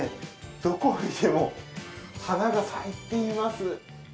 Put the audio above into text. どこを見ても花が咲いています。